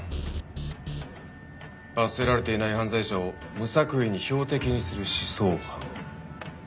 罰せられていない犯罪者を無作為に標的にする思想犯。